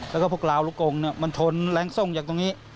แล้วก็พวกราวลูกกงมันชนแรงทรงจากตรงนี้